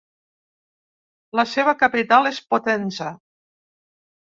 La seva capital és Potenza.